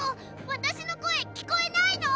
私の声聞こえないの？